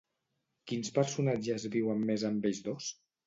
Quins personatges viuen més amb ells dos?